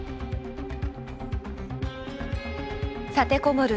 立てこもる